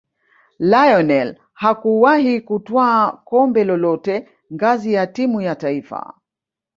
lionel mhakuwahi kutwaa kombe lolote ngazi ya timu ya taifa